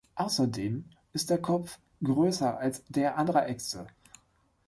Außerdem ist der Kopf größer als der anderer Äxte.